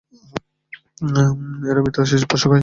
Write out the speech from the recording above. এরা মৃত পশু খায়।